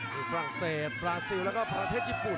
ที่ฟรั่งเศสบราีลแล้วก็ประเทศกับญี่ปุน